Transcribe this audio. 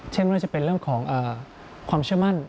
ไม่ว่าจะเป็นเรื่องของความเชื่อมั่น